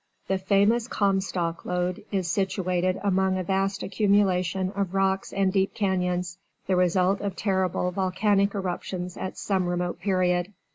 The famous "Comstock Lode" is situated among a vast accumulation of rocks and deep canyons the result of terrible volcanic eruptions at some remote period.